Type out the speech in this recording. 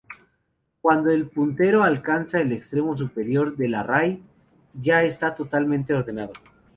Cuando el puntero alcanza el extremo superior del array, ya está totalmente ordenado.